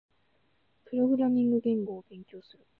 プログラミング言語を勉強する。